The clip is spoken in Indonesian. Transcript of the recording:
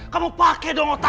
kamu pake dong otak kamu